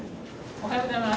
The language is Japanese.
おはようございます。